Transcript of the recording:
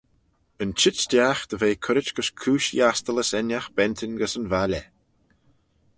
Yn çheet stiagh dy ve currit gys cooish ghiastyllys ennagh bentyn gys yn valley.